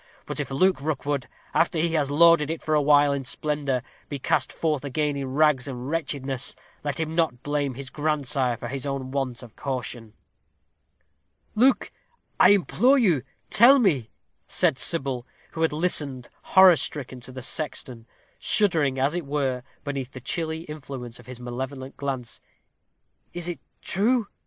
But if Luke Rookwood, after he has lorded it for awhile in splendor, be cast forth again in rags and wretchedness, let him not blame his grandsire for his own want of caution." "Luke, I implore you, tell me," said Sybil, who had listened, horror stricken, to the sexton, shuddering, as it were, beneath the chilly influence of his malevolent glance, "is this true?